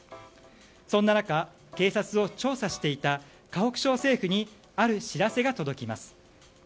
そんな中、警察を調査していた河北省政府にある知らせが届きます。